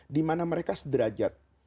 dimana mereka sederajat